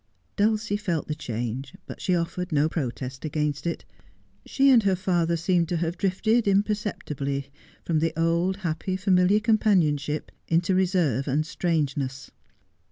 Dulcie felt the change, but she offered no protest against it. She and her father seemed to have drifted imperceptibly from the old, happy, familiar companionship into reserve and strangeness.